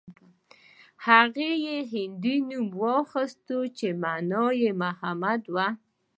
هغه يې هندي نوم واخيست چې مانا يې محمد و.